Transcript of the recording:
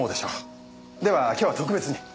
では今日は特別に。